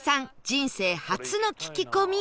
人生初の聞き込み